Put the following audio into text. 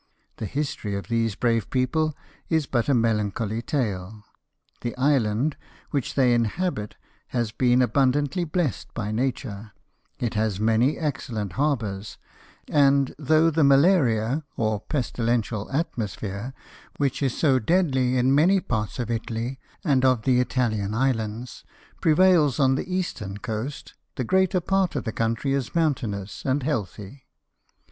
The history of these brave people is but a melancholy tale. The island which they inhabit has been abundantly blessed by Nature : it has many excellent harbours ; and though the malaria, or pestilential atmosphere, 58 LTFE OF NELSON. which is SO deadly in many parts of Italy and of the Italian islands, prevails on the eastern coast, the greater part of the country is mountainous and healthy.